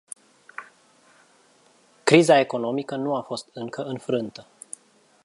Criza economică nu a fost încă înfrântă.